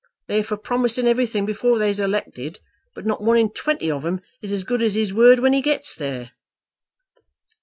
They're for promising everything before they's elected; but not one in twenty of 'em is as good as his word when he gets there."